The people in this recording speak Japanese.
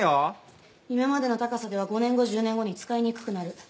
今までの高さでは５年後１０年後に使いにくくなる。